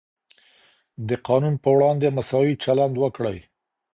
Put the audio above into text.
د قانون په وړاندې مساوي چلند وکړئ.